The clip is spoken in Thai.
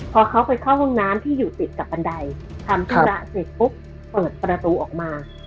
พอเขาไปเข้าห้องน้ำที่อยู่ติดกับบันไดทำธุระเสร็จปุ๊บเปิดประตูออกมา